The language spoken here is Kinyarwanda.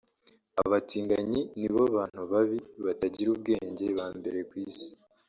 “Abatinganyi ni bo bantu babi/batagira ubwenge ba mbere ku isi